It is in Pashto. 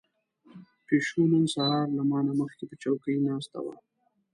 پيشو نن سهار له ما نه مخکې په چوکۍ ناسته وه.